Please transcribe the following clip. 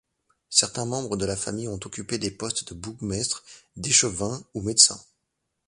Certains membres de la famille ont occupé des postes de bourgmestre, d'échevin ou médecin.